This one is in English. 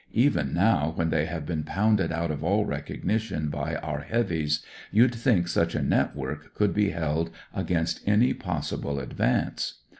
Even now, when they have been poimded out of all recognition by our heavies, you'd think such a net work could be held against any possible advance.